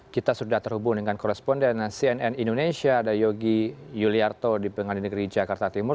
kita sudah terhubung dengan koresponden cnn indonesia ada yogi yuliarto di pengadilan negeri jakarta timur